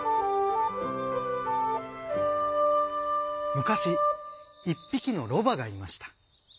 むかしいっぴきのロバがいました。